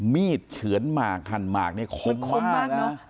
มีดเฉือนหมากหันหมากเนี่ยขดขมมากเนี่ยมากนะ